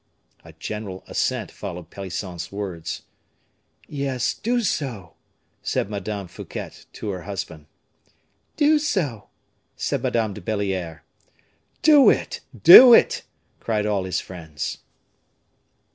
A general assent followed Pelisson's words. "Yes, do so," said Madame Fouquet to her husband. "Do so," said Madame de Belliere. "Do it! do it!" cried all his friends.